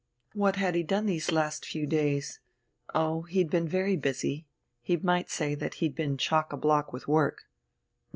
What had he done these last few days? Oh, he'd been very busy, he might say that he'd been chock a block with work.